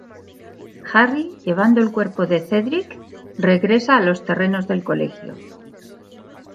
Harry, llevando el cuerpo de Cedric, regresa a los terrenos del colegio.